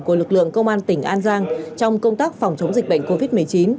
của lực lượng công an tỉnh an giang trong công tác phòng chống dịch bệnh covid một mươi chín